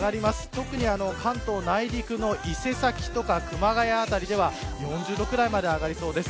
特に関東内陸の伊勢崎とか熊谷辺りでは４０度くらいまで上がりそうです。